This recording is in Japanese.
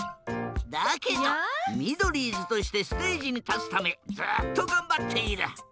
だけどミドリーズとしてステージにたつためずっとがんばっている。